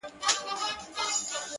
دى وايي دا-